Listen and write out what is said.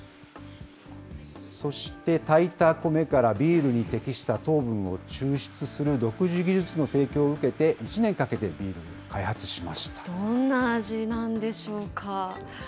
そして、炊いたコメから、ビールに適した糖分を抽出する独自技術の提供を受けて、１年かけてビーどんな味なんでしょうか。